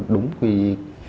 đúng quy định